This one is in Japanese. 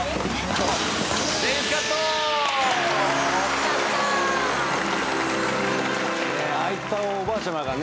ああいったおばあちゃまがね